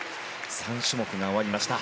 ３種目が終わりました。